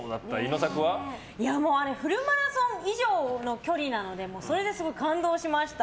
フルマラソン以上の距離なのでそれですごい感動しました。